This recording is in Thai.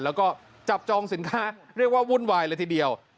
แล้วก็จับจองสินค้าเรียกว่าวุ่นวายเลยทีเดียว